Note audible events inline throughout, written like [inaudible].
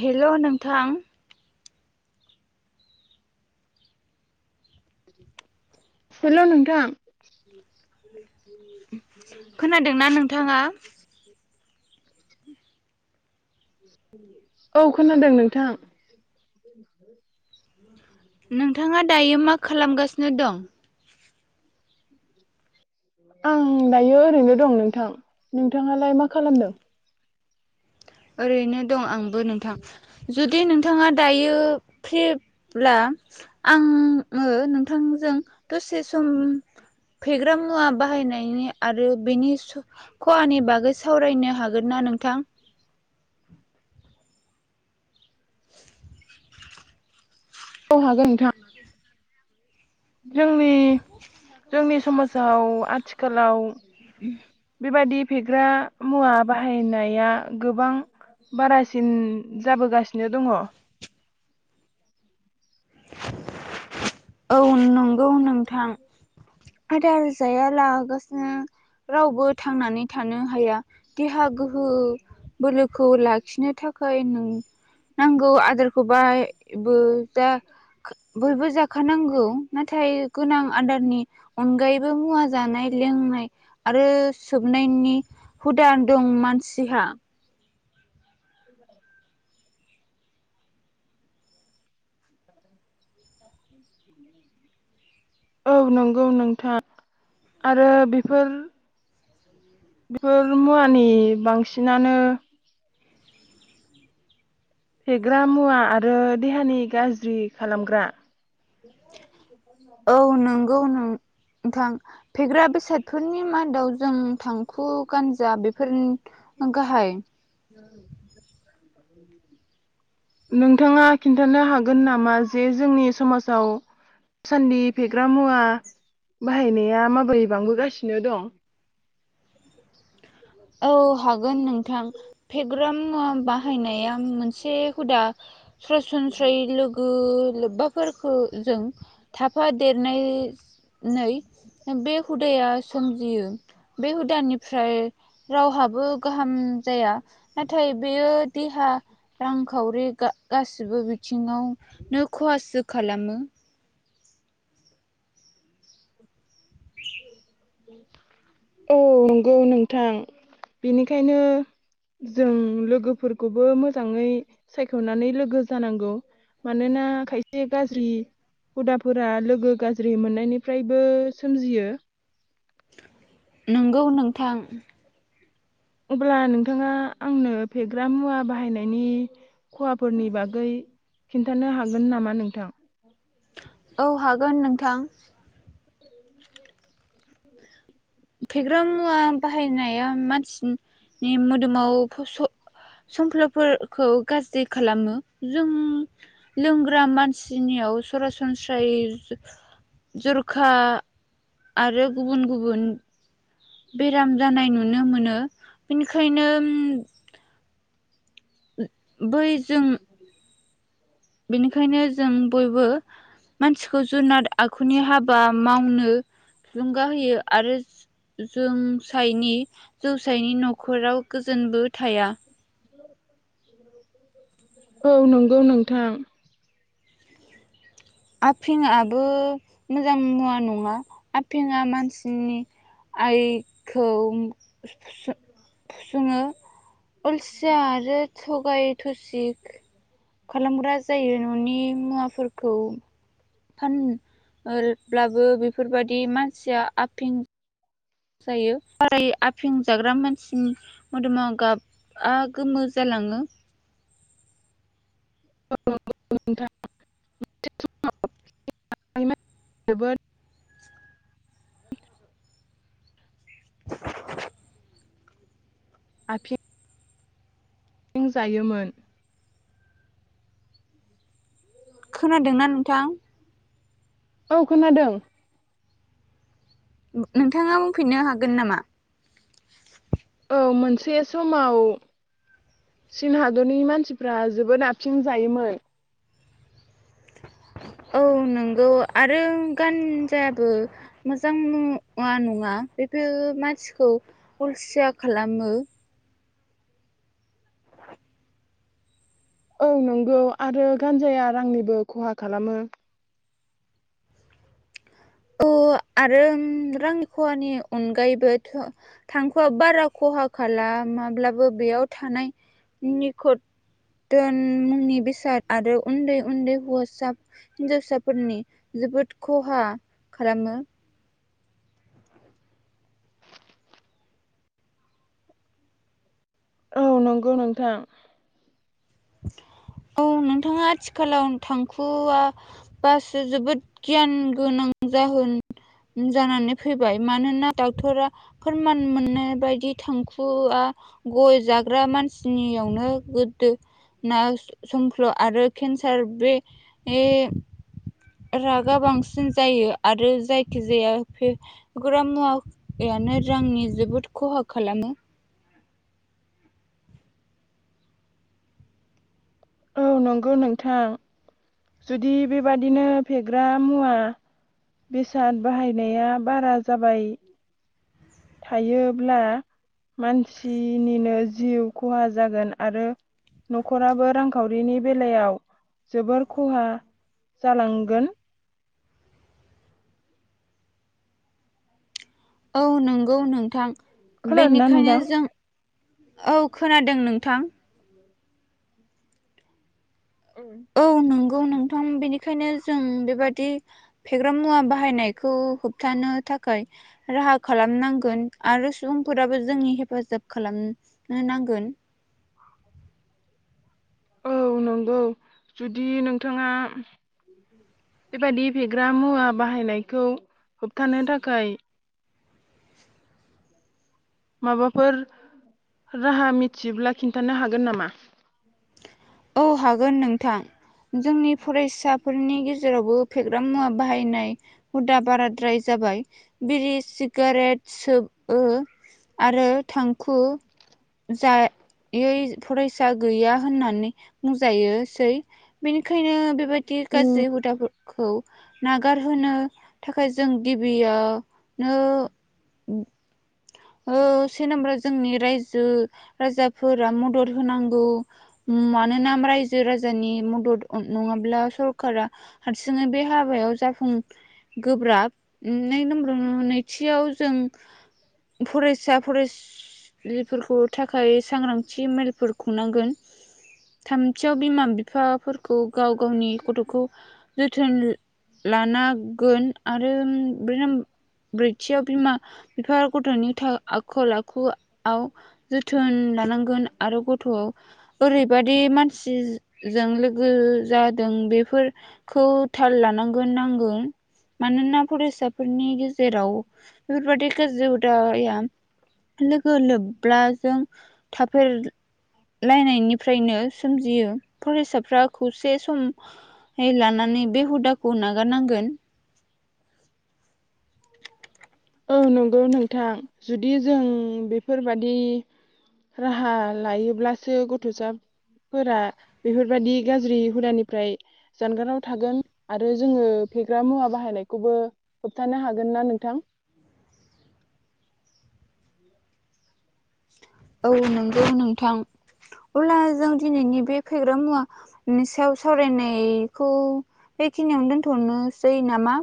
हेल' नोंथां हेल' नोंथां खोनादोंना नोंथाङा औ खोनादों नोंथां नोंथाङा दायो मा खालामगासिनो दं आं दायो ओरैनो दं नोंथां नोंथाङालाय मा खालामदों ओरैनो दं आंबो नोंथां जुदि नोंथाङा दायो फ्रिब्ला आङो नोंथांजों दसे सम फेग्रा मुवा बाहायनायनि आरो बेनि खहानि बागै सावरायनो हागोन ना नोंथां औ हागोन नोंथां जोंनि जोंनि समाजाव आ थिखालाव उम बेबायदि फेग्रा मुवा बाहायनाया गोबां बारासिन जाबोगासिनो दङ औ नं गौ नोंथां आदार जायालागासिनो रावबो थांनानै थानो हाया देहा गोहो बोलोखौ लाखिनो थाखाय नों नांगौ आदारखौ बायबो जा बयबो जा खानांगौ नाथाय गोनां आदारनि अनगायैबो मुवा जानाय लोंनाय आरो सोबनायनि हुदा दं मानसिहा [inaudible] औ नंगौ नोंथां आरो बेफोर बेफोर मुवानि बांसिनानो फेग्रा मुवा आरो देहानि गाज्रि खालामग्रा औ नंगौ नों थां फेग्रा बेसादफोरनि मादाव जों थांखु गान्जा बेफोर नो गाहाय नोंथाङा खिन्थानो हागोन नामा जे जोंनि समासाव दासान्दि फेग्रा मुवा बाहायनाया माबोरै बांबोगासिनो दं औ हागोन नोंथां फेग्रा मुवा बाहायनाया मोन से हुदा ससनस्रायै लोगो लोब्बाफोरखौ जों थाफा देरनाय नै हुदाया सोमजियो बे हुदानिफ्राय रावहाबो गाहाम जाया नाथाय बेयो देहा रांखावरि गा गासिबो बिथि थिङाव नो खहासो खालामो औ नंगौ नोंथां बिनिखायनो जों लोगोफोरखौबो मोजाङै सायख'नानै लोगो जानांगौ मानोना खायसे गाज्रि हुदाफोरा लोगो गाज्रि मोननायनिफ्रायबो सोमजियो। नोंगौ नोंथां अब्ला नोंथाङा आंनो फेग्रा मुवा बाहायनायनि खहाफोरनि बागै खिन्थानो हागोन नामा नोंथां? औ हागोन नोंथां फेग्रा मुवा बाहायनाया मानसिनि मोदोमाव संख्लफोरखौ गाज्रि खालामो जों लोंग्रा मानसिनियाव सरासनस्रायै जरखा आरो गुबुन गुबुन बेराम जानाय नुनो मोनो बेनिखायनो बै जों बेनिखायनो जों बयबो मानसिखौ जुनाद आखुनि हाबा मावनो थुलुंगा होयो आरो जोंसायनि जौसायनि न'खराव गोजोनबो थाया औ नंगौ नोंथां आफिंबो मोजां मुवा नङा आफिंआ मानसिनि आइखौ फुसुङो। उलसिया आरो थगाय थुसिख खालामग्रा जायो न'नि फानब्लाबो बेफोरबायादि मानसिया आफिं जायो साराय आफिं जाग्रा मानसिनि मोदोमा गाबआ गोमो जालाङो। [unintelligible] नोंथाङा जोबोद [inaudible] आफिं फिं जायोमोन खोनादोंना नोंथां? औ खोनादों नोंथाङा बुंफिननो हागोन नामा? औ मोनसे समाव चीन हादरनि मानसिफ्रा जोबोद आफिं जायोमोन। औ नंगौ आरो गानजायाबो मोजां मुवा नङा बेफोर मानसिखौ उलसिया खालामो। औ नंगौ आरो गानजाया रांनिबो खहा खालामो। औ आरो रांनि खहानि अनगायैबो थांख'वआ बारा खहा खाला माब्लाबो बेयाव थानाय निखन मुंनि बेसाद आरो उन्दै उन्दै हौवासा हिनजावसाफोरनि जोबोद खहा खालामो औ नंगौ नोंथां औ नोंथाङा आथिखालाव थांखुआ बासो जोबोद गियान गोनां जाहोन जानानै फैबाय मानोना डाक्टरा फोरमान मोननाय बायदि थांखुआ गय जाग्रा मानसिनियावनो गोदो ना संख्ल' आरो केन्सार बे रागा बांसिन जायो आरो जायखिजाया फेग्रा मुवायानो रांनि जोबोद खहा खालामो। औ नंगौ नोंथां जुदि बेबादिनो फेग्रा मुवा बेसाद बाहायनाया बारा जाबाय। थायोब्ला मानसिनिनो जिउ खहा जागोन आरो नखराबो रांखावरिनि बेलायाव जोबोर खहा जालांगोन। औ नंगौ नोंथां खोनादोंना बेनिखायनो नोंथां? जों औ खोनादों नोंथां। औ नंगौ नोंथां बेनिखायनो जों बेबादि फेग्रा मुवा बाहायनायखौ होबथानो थाखाय राहा खालामनांगोन आरो सुबुंफोराबो जोंनि हेफाजाब खालामनो नांगोन। औ नंगौ जुदि नोंथाङा बेबादि फेग्रा मुवा बाहायनायखौ होबथानो थाखाय माबाफोर राहा मिथियोब्ला खिन्थानो हागोन नामा? औ हागोन नोंथां जोंनि फरायसाफोरनि गेजेरावबो फेग्रा मुवा बाहायनाय हुदा बाराद्राय जाबाय बिरि सिगारेट सोबो आरो थांखु जायै फरायसा गैया होननानै बुंजायोसै बेनिखायनो बेबा दि गाज्रि हु खौ नागारहो थाखाय जों गिबियावनो ओ से नाम्बाराव जोंनि रायजो राजाफोरा मदद होनांगौ। मानोना रायजो राजानि मदद नङाब्ला सरखारा हारसिङै बे हाबायाव जाफुं गोब्राब नै नम्बर नैथिआव जों फरायसालिफोरखौ थाखाय सांग्रांथि मेलफोर खुंनांगोन। थामथियाव बिमा बिफाफोरखौ गाव गावनि गथ'खौ जोथोन लानांगोन आरो बै ब्रैथियाव बिमा बिफा गथ'नि आखल आखुआव जोथोन लानांगोन आरो गथ'आव ओरैबादि बे मानसिजों लोगो जादों बेफोर खौ थाल लानांगौ नांगोन मानोना फरायसाफोरनि गे जेराव बेफोरबादि गाज्रि हुदाया लोगो लोब्लाजों थाफेरलायनायनिफ्राय नो सोमजियो फरायसाफ्रा खौसे समै लानानै बे हुदाखौ नागारनांगोन। औ नंगौ नोंथां जुदि जों बेफोरबादि राहा लायोब्लासो गथ'साफोरा बेफोरबाददि गाज्रि हुदानिफ्राय जानगाराव थागोन आरो जोङो फेग्रा मुवा बाहायनायखौबो खोनथानो हागोन ना नोंथां। औ नंगौ नोंथां अब्ला जों दिनैनि बे फेग्रा मुवानि सायाव सावरायनायखौ बेखिनियावनो दोनथ'नोसै नामा?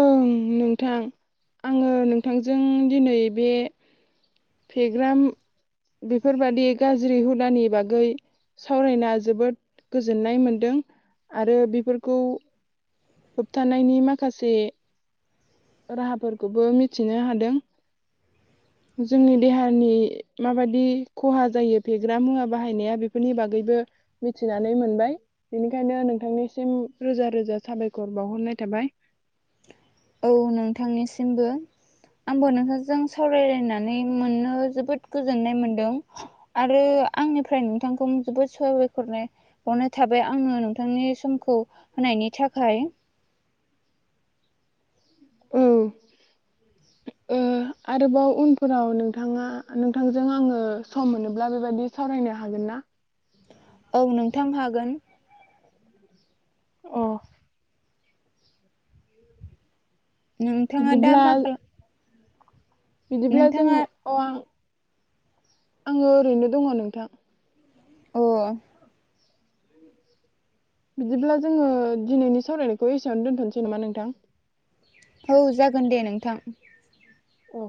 ओं नोंथां आङो नोंथांजों दिनै बे फेग्राम बेफोरबादि गाज्रि हुदानि बागै सावरायना जोबोद गोजोननाय मोनदों आरो बेफोरखौ होबथानायनि माखासे राहाफोरखौबो मिथिनो हादों जोंनि देहानि माबायदि खहा जायो फेग्रा मुवा बाहायनाया बेफोरनि बागैबो मिथिनानै मोनबाय बेनिखायनो नोंथांनिसिम रोजा रोजा साबायखर बावहरनाय थाबाय। औ नोंथांनिसिमबो आंबो नोंथांजों सावरायलायनानै मोननो जोबोद गोजोननाय मोनदों आरो आंनिफ्राय नोंथांखौ जोबोद सहाबायखर हरनाय थाबाय आङो नोंथांनि सम खौ होनायनि थाखाय औ आरोबाव उनफोराव नोंथाङा नोंथांजों आङो सम मोनोब्ला बेबायदि सावरायनो हागोन ना औ नोंथां हागोन अ नोंथाङा दा मा बिदिब्ला खालाम बिदिब्ला नोंथाङा जोङो औ आं आङो ओरैनो दङ नोंथां औ बिदिब्ला जोङो दिनैनि सावरायनायखौ एसेयावनो दोनथ'नोसै नामा नोंथां औ जागोन दे नोंथां औ